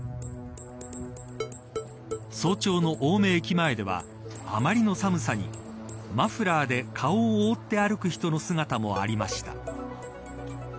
早朝の青梅駅前ではあまりの寒さにマフラーで顔を覆って歩く人の姿もありました。